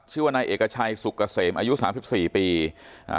ชื่อว่านายเอกชัยสุกเกษมอายุสามสิบสี่ปีอ่า